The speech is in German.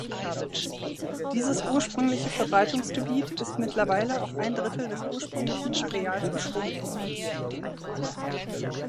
Dieses ursprüngliche Verbreitungsgebiet ist mittlerweile auf ein Drittel des ursprünglichen Areals geschrumpft.